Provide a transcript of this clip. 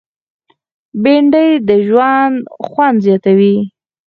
بېنډۍ د ژوند خوند زیاتوي